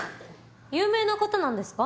有名な方なんですか？